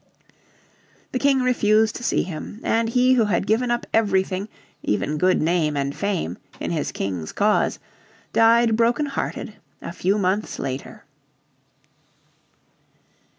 The King refused to see him, and he who had given up everything, even good name and fame, in his King's cause died broken hearted, a few months later.